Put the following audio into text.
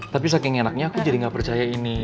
tapi saking enaknya aku jadi gak percaya ini